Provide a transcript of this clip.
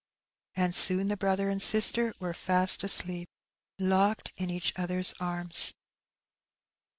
And soon the brother and sister were fast asleep, locked in each other's arms.